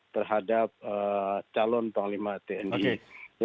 terhadap calon panglima tni